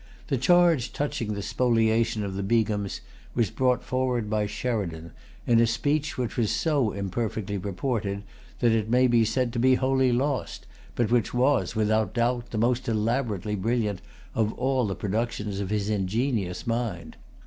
The charge touching the spoliation of the Begums was brought forward by Sheridan, in a speech which was so imperfectly reported that it may be said to be wholly lost, but which was, without doubt, the most elaborately brilliant of all the productions of his ingenious mind.